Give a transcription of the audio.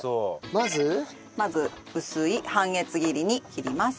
まず薄い半月切りに切ります。